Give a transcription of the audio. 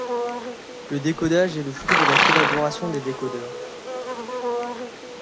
Le décodage est le fruit de la collaboration des décodeurs.